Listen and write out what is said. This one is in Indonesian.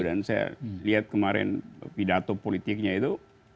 saya lihat kemarin pidato politiknya itu